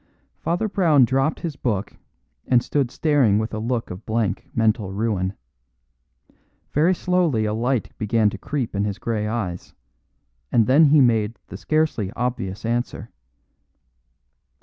Father Brown dropped his book and stood staring with a look of blank mental ruin. Very slowly a light began to creep in his grey eyes, and then he made the scarcely obvious answer.